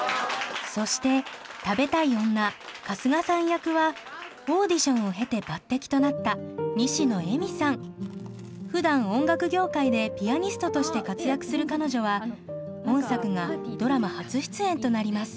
そして食べたい女春日さん役はオーディションを経て抜てきとなったふだん音楽業界でピアニストとして活躍する彼女は本作がドラマ初出演となります。